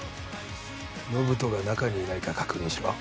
延人が中にいないか確認しろ。